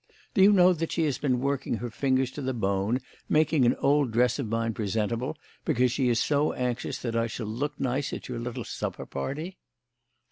Do you know that she has been working her fingers to the bone making an old dress of mine presentable because she is so anxious that I shall look nice at your little supper party."